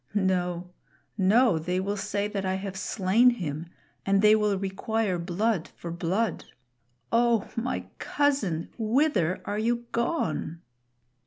No, no; they will say that I have slain him, and they will require blood for blood. Oh! my cousin, wither are you gone?"